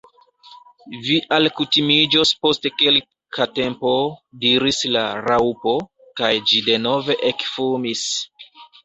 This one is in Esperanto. "Vi alkutimiĝos post kelka tempo," diris la Raŭpo, kaj ĝi denove ekfumis.